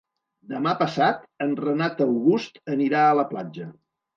Demà passat en Renat August anirà a la platja.